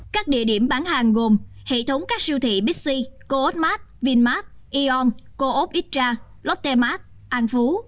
các địa điểm bán hàng gồm hệ thống các siêu thị bixi co op mart vinmart eon co op itra lotte mart an phú